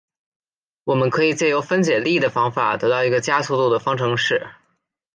我们可以藉由分解力的方法得到一个加速度的方程式。